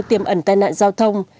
tiếm ẩn tai nạn giao thông